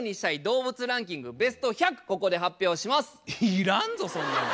いらんぞそんなの。